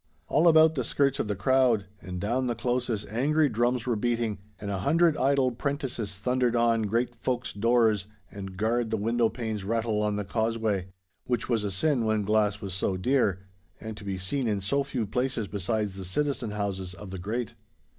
All about the skirts of the crowd, and down the closes angry drums were beating, and a hundred idle 'prentices thundered on great folk's doors and garred the window panes rattle on the causeway—which was a sin when glass was so dear, and to be seen in so few places besides the citizen houses of the great.